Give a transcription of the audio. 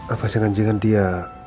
apa jangan jangan dia